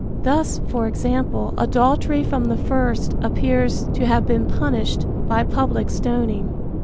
Thus, for example, adultery from the first appears to have been punished by public stoning.